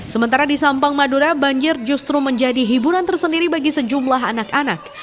sementara di sampang madura banjir justru menjadi hiburan tersendiri bagi sejumlah anak anak